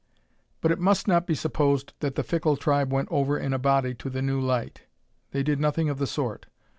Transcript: But it must not be supposed that the fickle tribe went over in a body to the new light. They did nothing of the sort.